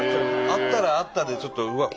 会ったら会ったでちょっとうわっ